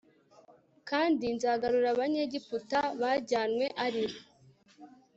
kandi nzagarura Abanyegiputa bajyanywe ari